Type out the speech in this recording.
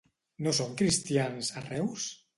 No són cristians, a Reus?